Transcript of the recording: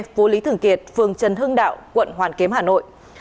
phố lý thường kiệt phường trần hưng đạo quận hoàn kiếm hà nội